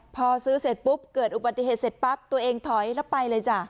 พอซื้อเสร็จปุ๊บเกิดอุบัติเหตุเสร็จปั๊บตัวเองถอยแล้วไปเลยจ้ะ